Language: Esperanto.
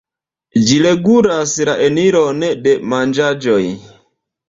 Ĝi regulas la eniron de manĝaĵoj.